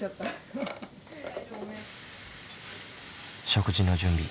食事の準備。